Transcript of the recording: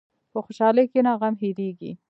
په خوشحالۍ کښېنه، غم هېرېږي.